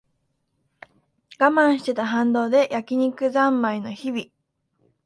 我慢してた反動で焼き肉ざんまいの日々